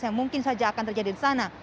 yang mungkin saja akan terjadi di sana